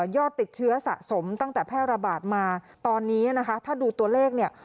อดติดเชื้อสะสมตั้งแต่แพร่ระบาดมาตอนนี้นะคะถ้าดูตัวเลขเนี่ย